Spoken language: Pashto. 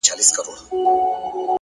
له تېروتنو زده کړه ځواک دی.